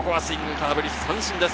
空振り三振です。